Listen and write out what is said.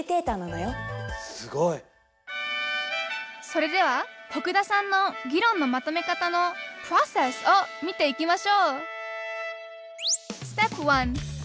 それでは徳田さんの議論のまとめ方のプロセスを見ていきましょう